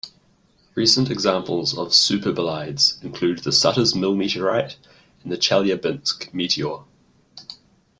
Recent examples of superbolides include the Sutter's Mill meteorite and the Chelyabinsk meteor.